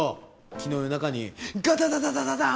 昨日夜中にガタタタタタタン！！